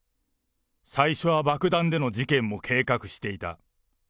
最初は爆弾での事件も計画していた。